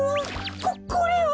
ここれは！